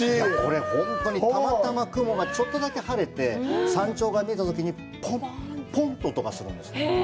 本当にたまたま雲がちょっとだけ晴れて、山頂が見えたときに、ポンポンと音がするんです。